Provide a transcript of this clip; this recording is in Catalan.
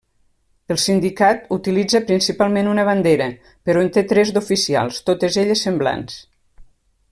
El sindicat utilitza principalment una bandera, però en té tres d'oficials, totes elles semblants.